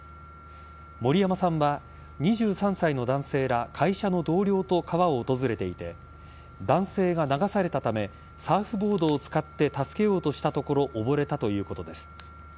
森山さんは、２３歳の男性ら会社の同僚と川を訪れていて男性が流されたためサーフボードを使って助けようとしたところ溺れたということです。